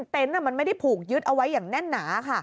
เต็นต์มันไม่ได้ผูกยึดเอาไว้อย่างแน่นหนาค่ะ